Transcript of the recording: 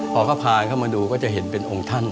พอเวลาก็มาดูก็จะเห็นเป็นองค์ท่าน